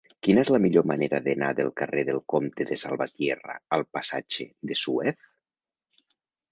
Quina és la millor manera d'anar del carrer del Comte de Salvatierra al passatge de Suez?